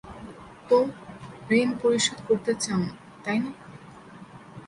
তো, ঋণ পরিশোধ করতে চাও না, তাই না?